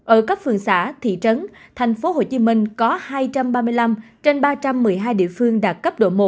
ở các phường xã thị trấn thành phố hồ chí minh có hai trăm ba mươi năm trên ba trăm một mươi hai địa phương đạt cấp độ một